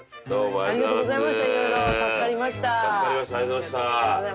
ありがとうございました色々。